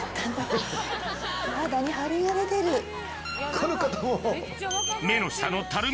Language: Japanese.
この方も。